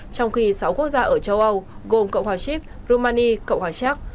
trong khi sáu quốc gia ở châu âu gồm cộng hòa ship rumani cộng hòa shack